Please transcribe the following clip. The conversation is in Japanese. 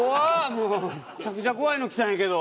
むちゃくちゃ怖いの来たんやけど！